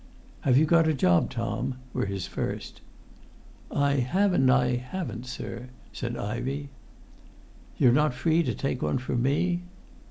"Have you got a job, Tom?" were his first. "I have and I haven't, sir," said Ivey. "You're not free to take one from me?"